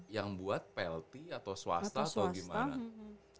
yang buat plt atau swasta atau gimana